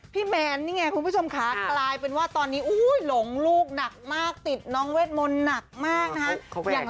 แมนนี่ไงคุณผู้ชมค่ะกลายเป็นว่าตอนนี้หลงลูกหนักมากติดน้องเวทมนต์หนักมากนะฮะ